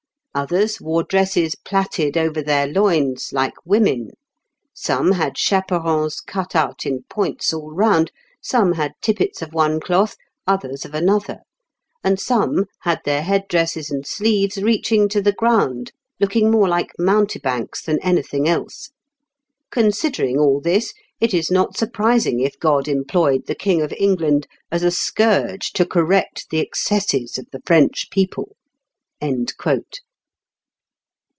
Others wore dresses plaited over their loins like women; some had chaperons cut out in points all round; some had tippets of one cloth, others of another; and some had their head dresses and sleeves reaching to the ground, looking more like mountebanks than anything else. Considering all this, it is not surprising if God employed the King of England as a scourge to correct the excesses of the French people."